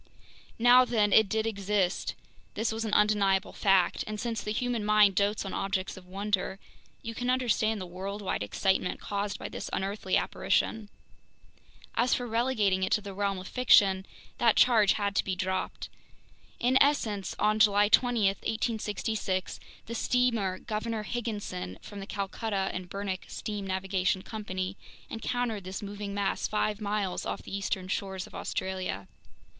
Now then, it did exist, this was an undeniable fact; and since the human mind dotes on objects of wonder, you can understand the worldwide excitement caused by this unearthly apparition. As for relegating it to the realm of fiction, that charge had to be dropped. In essence, on July 20, 1866, the steamer Governor Higginson, from the Calcutta & Burnach Steam Navigation Co., encountered this moving mass five miles off the eastern shores of Australia.